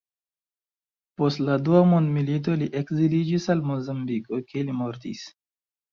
Post la Dua Mondmilito, li ekziliĝis al Mozambiko, kie li mortis.